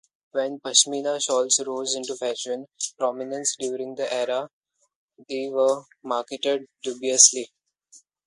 When pashmina shawls rose into fashion prominence during the era, they were marketed dubiously.